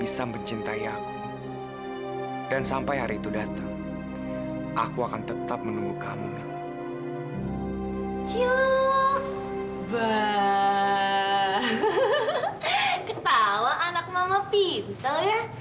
sampai jumpa di video selanjutnya